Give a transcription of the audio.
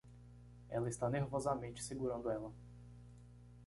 Ela está nervosamente segurando ela